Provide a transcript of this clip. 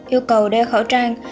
yêu cầu đeo khẩu trang